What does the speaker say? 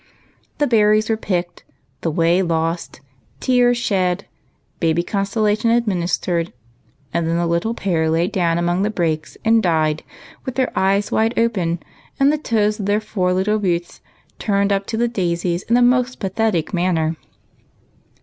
The berries were picked, the way lost, tears shed, baby consolation administered, and then the little pair lay down among the brakes and died with their eyes wide open and the toes of their four little boots turned up to the daisies in the most pathetic manner.